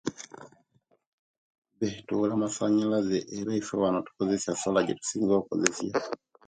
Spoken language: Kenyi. Bee tubula amasanyalaze era ife wano tukozesia sola jetusinga okozesia